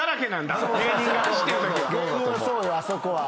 あそこは。